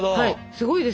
すごいです。